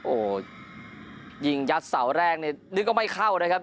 โอ้โหยิงยัดเสาแรกนี่นึกว่าไม่เข้านะครับ